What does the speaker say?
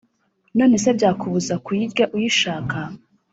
nonese byakubuza kuyirya uyishaka